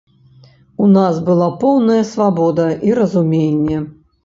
У нас была поўная свабода і разуменне.